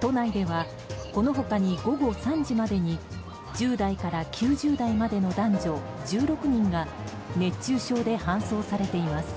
都内では、この他に午後３時までに１０代から９０代までの男女１６人が熱中症で搬送されています。